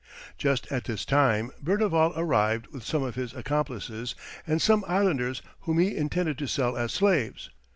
Just at this time, Berneval arrived with some of his accomplices, and some islanders whom he intended to sell as slaves.